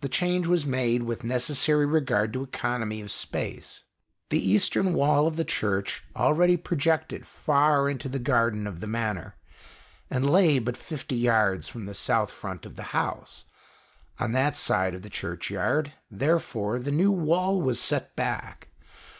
The change was made with necessary regard to economy of space. The Eastern wall of the Church already projected far into the garden of the Manor, and lay but fifty yards from the south front of the house. On that side of the Churchyard, therefore, the new wall was set back.